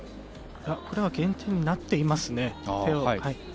これは減点になっていますね。